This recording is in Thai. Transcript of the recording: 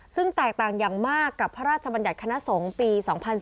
ซึ่งแตกต่างอย่างมากกับพระราชบัญญัติคณะสงฆ์ปี๒๔